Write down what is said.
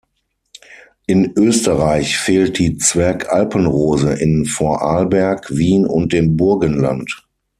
In Österreich fehlt die Zwerg-Alpenrose in Vorarlberg, Wien und dem Burgenland.